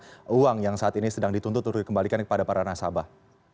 berapa besar jumlah uang yang saat ini sedang dituntut untuk dikembalikan kepada para nasabah